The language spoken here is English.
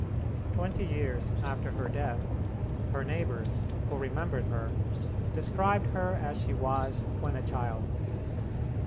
Twenty years after her death, her neighbors, who remembered her, described her as she was when a child.